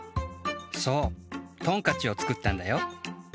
そうトンカチを作ったんだよ。